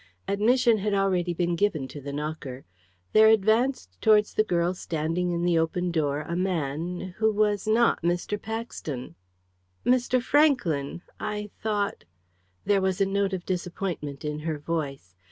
Admission had already been given to the knocker. There advanced towards the girl standing in the open door a man who was not Mr. Paxton. "Mr. Franklyn! I thought " There was a note of disappointment in her voice.